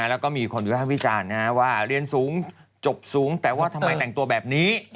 แล้วก็มีคนวิภาควิจารณ์ว่าเรียนสูงจบสูงแต่ว่าทำไมแต่งตัวแบบนี้